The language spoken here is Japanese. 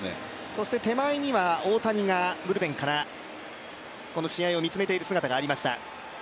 そして、手前には大谷がブルペンから試合を見つめている姿がありました。